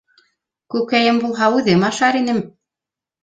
Күкәйем булһа, үҙем ашар инем!